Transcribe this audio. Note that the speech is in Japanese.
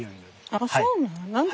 あっそうなん？